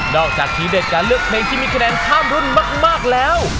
อกจากทีเด็ดการเลือกเพลงที่มีคะแนนข้ามรุ่นมากแล้ว